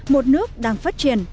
một nước đang phát triển